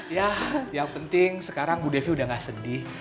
ya yang penting sekarang bu devi udah gak sedih